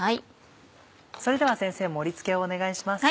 それでは先生盛り付けをお願いします。